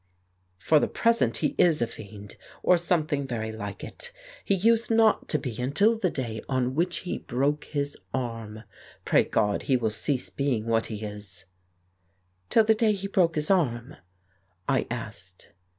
"For the present he is a fiend, or something very like it. He used not to be until the day on which he broke his arm. Pray God he will cease being what he is." "Till the day he broke his arm?'" I asked.